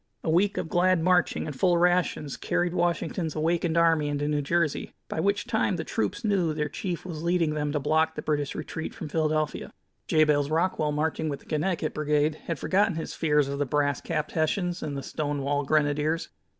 A week of glad marching and full rations carried Washington's awakened army into New Jersey, by which time the troops knew their chief was leading them to block the British retreat from Philadelphia. Jabez Rockwell, marching with the Connecticut Brigade, had forgotten his fears of the brass capped Hessians and the stone wall Grenadiers.